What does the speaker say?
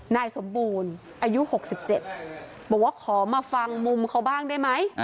นายสมบูรณ์อายุ๖๗บอกว่าขอมาฟังมุมเขาบ้างได้ไหม